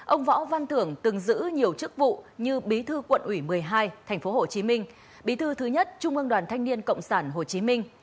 ông võ văn thưởng từng giữ nhiều chức vụ như bí thư quận ủy một mươi hai tp hcm bí thư thứ nhất trung ương đoàn thanh niên cộng sản hồ chí minh